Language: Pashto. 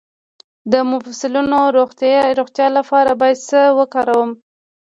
د مفصلونو د روغتیا لپاره باید څه وکړم؟